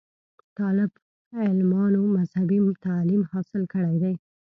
طالب علمانومذهبي تعليم حاصل کړے دے